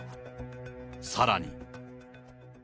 さらに。